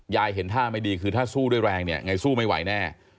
ยายเห็นท่าไม่ดีคือถ้าสู้ด้วยแรงสู้ไม่ไหวแน่